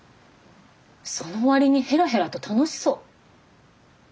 その割にヘラヘラと楽しそう。